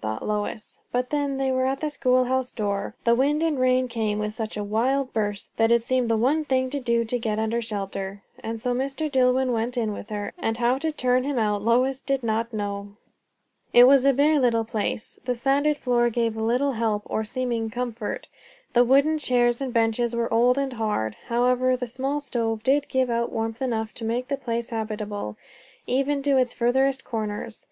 thought Lois; but then they were at the schoolhouse door, the wind and rain came with such a wild burst, that it seemed the one thing to do to get under shelter; and so Mr. Dillwyn went in with her, and how to turn him out Lois did not know. It was a bare little place. The sanded floor gave little help or seeming of comfort; the wooden chairs and benches were old and hard; however, the small stove did give out warmth enough to make the place habitable, even to its furthest corners.